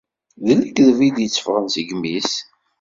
D lekdeb i d-itteffɣen seg yimi-s.